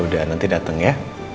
yaudah nanti dateng ya